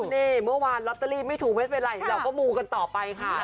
นี่เมื่อวานลอตเตอรี่ไม่ถูกไม่เป็นไรเราก็มูกันต่อไปค่ะ